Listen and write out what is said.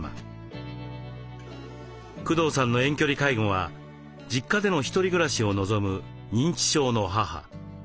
工藤さんの遠距離介護は実家での一人暮らしを望む認知症の母。